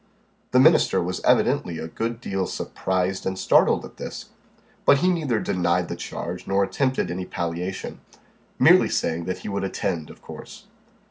The minister was evidently a good deal surprised and startled at this, but he neither denied the charge nor attempted any palliation, merely saying that he would attend, of course.